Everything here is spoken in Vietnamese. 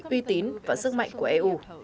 uy tín và sức mạnh của eu